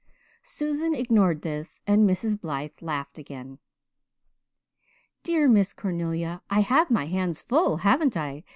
Susan ignored this and Mrs. Blythe laughed again. "Dear Miss Cornelia, I have my hands full, haven't I?